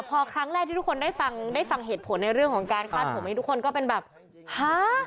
พอครั้งแรกที่ทุกคนได้ฟังได้ฟังเหตุผลในเรื่องของการคาดผมให้ทุกคนก็เป็นแบบฮา